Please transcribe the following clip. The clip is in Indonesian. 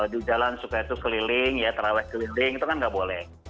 di jalan suka itu keliling ya terawih keliling itu kan nggak boleh